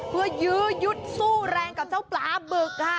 เพื่อยืดสู้แรงกับเจ้าปลาบึก